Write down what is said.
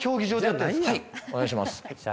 はいお願いします